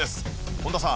本田さん